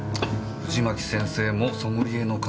藤巻先生もソムリエの彼女も。